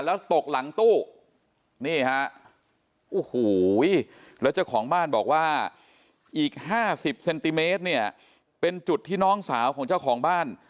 แล้วตกหลังตู้นี่ฮะโอ้โหแล้วเจ้าของบ้านบอกว่าอีก๕๐เซนติเมตรเนี่ยเป็นจุดที่น้องสาวของเจ้าของบ้าน